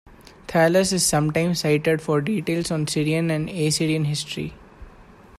Thallus is sometimes cited for details on Syrian and Assyrian history.